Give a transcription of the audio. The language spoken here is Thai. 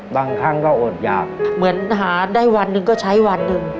บางครั้งก็อดหยากเหมือนหาได้วันหนึ่งก็ใช้วันหนึ่ง